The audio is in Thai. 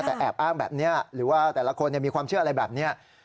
แต่แอบอ้างแบบนี้หรือว่าแต่ละคนมีความเชื่ออะไรแบบนี้